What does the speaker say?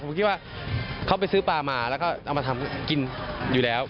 ผมคิดว่าเขาไปซื้อปลามาแล้วก็เอามาทำกินอยู่แล้ว